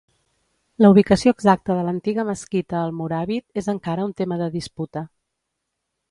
La ubicació exacta de l'antiga mesquita almoràvit és encara un tema de disputa.